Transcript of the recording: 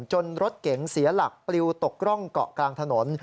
รถเก๋งเสียหลักปลิวตกร่องเกาะกลางถนน